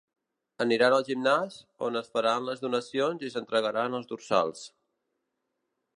Aniran al gimnàs, on es faran les donacions i s’entregaran els dorsals.